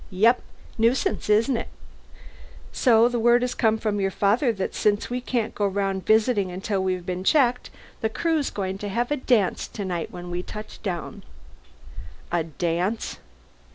"Yep. Nuisance, isn't it? So the word has come from your father that since we can't go round visiting until we've been checked, the Crew's going to have a dance tonight when we touch down." "A dance?"